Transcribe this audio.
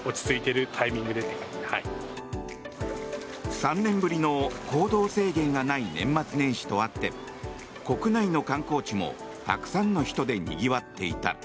３年ぶりの行動制限がない年末年始とあって国内の観光地もたくさんの人でにぎわっていた。